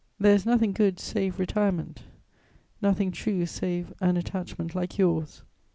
There is nothing good save retirement, nothing true save an attachment like yours."